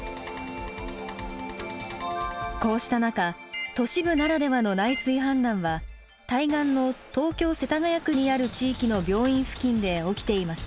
こうした中都市部ならではの内水氾濫は対岸の東京・世田谷区にある地域の病院付近で起きていました。